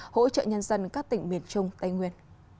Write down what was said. hỗ trợ nhân dân các tỉnh miền trung tây nguyên